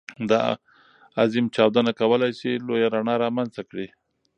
دا عظيم چاودنه کولی شي لویه رڼا رامنځته کړي.